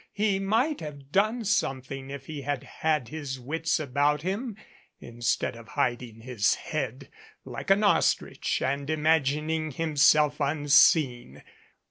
He might have done something if he had had his wits about him, instead of hiding his head like an ostrich and imagining himself un seen.